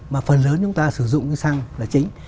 mà phần lớn chúng ta sử dụng cái xăng là chính